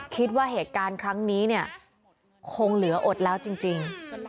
คิดว่าเหตุการณ์ครั้งนี้เนี่ยคงเหลืออดแล้วจริง